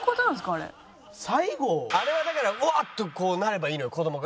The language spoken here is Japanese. あれはだから「うわっ！」となればいいのよ子どもが。